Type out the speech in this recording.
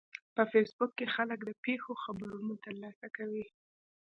په فېسبوک کې خلک د پیښو خبرونه ترلاسه کوي